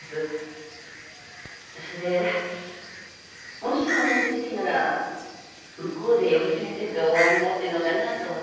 それでもし同じ時期なら向こうで余木先生とお会いになってるのかなぁと思って。